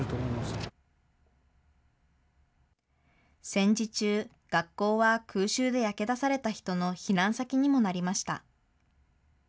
戦時中、学校は空襲で焼け出された人の避難先にもなりました。